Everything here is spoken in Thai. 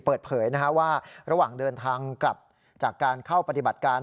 เปิดเผยว่าระหว่างเดินทางกลับจากการเข้าปฏิบัติการ